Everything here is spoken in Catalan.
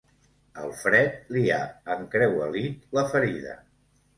El fred li ha encruelit la ferida.